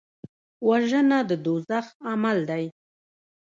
وژنه د دوزخ عمل دی